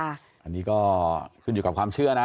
อันนี้ก็ขึ้นอยู่กับความเชื่อนะ